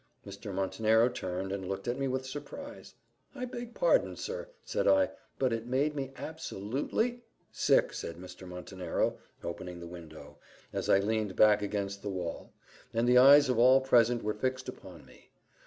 Mr. Montenero turned, and looked at me with surprise. "I beg pardon, sir," said I; "but it made me absolutely " "Sick," said Mr. Montenero, opening the window, as I leaned back against the wall, and the eyes of all present were fixed upon me.